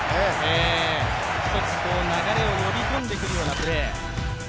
ひとつ流れを呼び込んでくるようなプレー。